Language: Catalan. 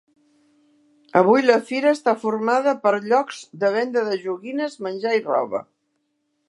Avui la Fira està formada per llocs de venda de joguines, menjar i roba.